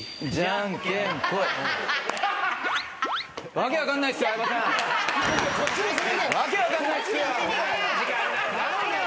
訳分かんないっすよ。